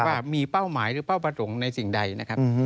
ว่ามีเป้าหมายหรือเป้าประสงค์ในสิ่งใดนะครับ